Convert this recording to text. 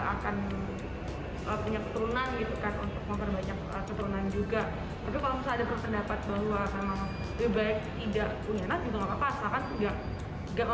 asalkan nggak memprovokasi dengan konten konten apapun negatif ke arah yang nggak baik gitu